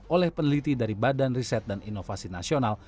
oleh peneliti dari badan riset dan inovasi nasional